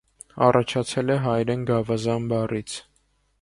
Առաջացել է հայերեն գավազան բառից։